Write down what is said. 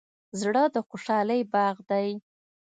زړه د خوشحالۍ باغ دی.